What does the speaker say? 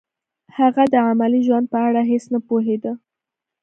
هغه د عملي ژوند په اړه هیڅ نه پوهېده